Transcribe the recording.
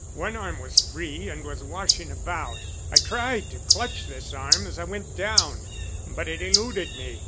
One arm was free and was washing about; I tried to clutch this arm as I went down, but it eluded me.